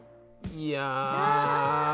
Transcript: いや！